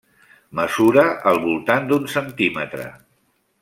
Mesura al voltant d'un centímetre.